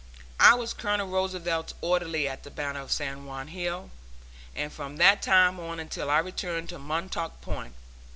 I was Colonel Roosevelt's orderly at the battle of San Juan Hill, and from that time on until our return to Montauk Point.